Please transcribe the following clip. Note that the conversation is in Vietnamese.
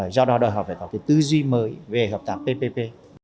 do đó đòi họ phải có tư duy mới về hợp tác ppp